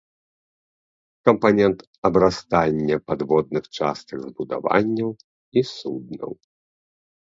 Кампанент абрастання падводных частак збудаванняў і суднаў.